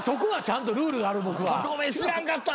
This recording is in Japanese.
ごめん知らんかったわ。